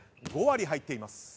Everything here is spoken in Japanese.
５割入っています。